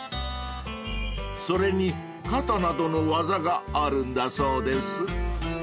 ［それに肩などの技があるんだそうです］